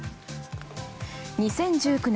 ２０１９年